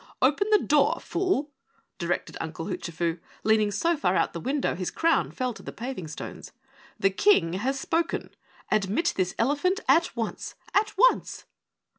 "Open the door, fool!" directed Uncle Hoochafoo, leaning so far out the window his crown fell to the paving stones. "The King has spoken. Admit this elephant at once! At once!"